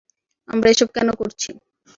আমরা এসব কেন করছি?